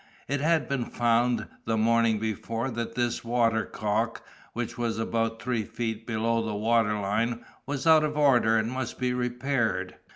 It had been found the morning before that this watercock, which was about three feet below the water line, was out of order, and must be repaired.